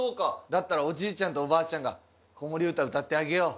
だったらおじいちゃんとおばあちゃんが子守唄歌ってあげよう。